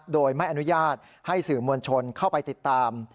โดยไม่อนุญาตให้สื่อมวลชนเข้าไปติดตาม